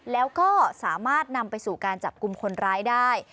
แล้วก็สามารถนำไปสู่การจับกลุ่มคนร้ายได้